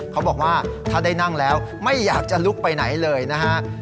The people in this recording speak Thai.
เขาบอกว่าถ้าได้นั่งแล้วไม่อยากจะลุกไปไหนเลยนะฮะ